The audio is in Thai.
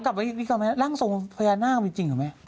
กลับไปดีกว่าไหมร่างสงฆ์พญานาคมจริงหรือไม่